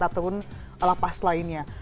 ataupun lapas lainnya